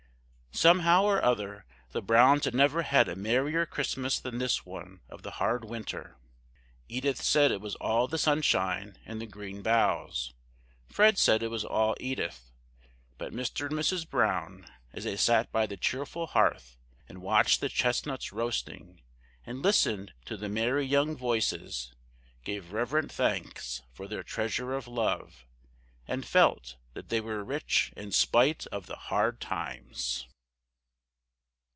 Somehow or other the Browns had never had a merrier Christmas than this one of the hard winter. Edith said it was all the sunshine and the green boughs; Fred said it was all Edith; but Mr. and Mrs. Brown, as they sat by the cheerful hearth, and watched the chestnuts roasting, and listened to the merry young voices, gave reverent thanks for their treasure of love, and felt that they were rich in spite of the hard times.